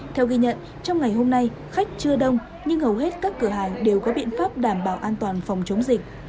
theo ghi nhận trong ngày hôm nay khách chưa đông nhưng hầu hết các cửa hàng đều có biện pháp đảm bảo an toàn phòng chống dịch